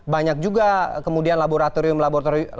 banyak juga kemudian laboratorium laboratorium yang memiliki